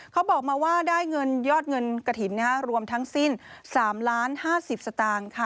เขาบอกมาว่าได้เงินยอดเงินกระถิ่นรวมทั้งสิ้น๓๕๐สตางค์ค่ะ